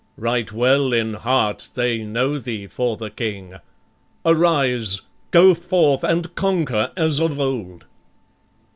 Right well in heart they know thee for the King. Arise, go forth and conquer as of old."